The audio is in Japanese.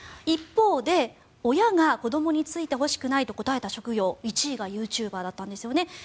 一方で、親が子どもに就いてほしくないと答えた職業１位がユーチューバーだったんですよね。